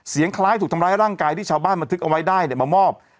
คล้ายถูกทำร้ายร่างกายที่ชาวบ้านบันทึกเอาไว้ได้เนี่ยมามอบ